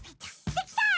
できた！